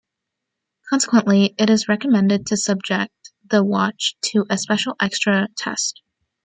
Consequently, it is recommended to subject the watch to a special extra test.